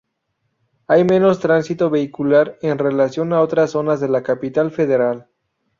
Hay menos tránsito vehicular en relación a otras zonas de la Capital Federal.